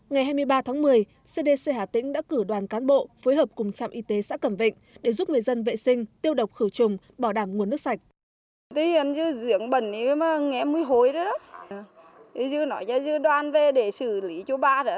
ngày hai mươi ba tháng một mươi cdc hà tĩnh đã cử đoàn cán bộ phối hợp cùng trạm y tế xã cầm vịnh để giúp người dân vệ sinh tiêu độc khử trùng bảo đảm nguồn nước sạch